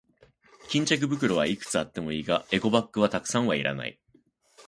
巾着袋はいくつあってもいいが、エコバッグはたくさんはいらない。